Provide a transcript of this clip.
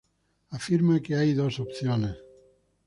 Afirma que hay dos opciones.